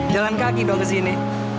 jalan kaki dong kesini